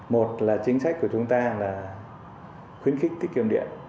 một là chính sách của chúng ta là khuyến khích tiết kiệm điện